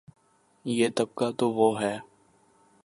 یہ طبقہ تو وہ ہے۔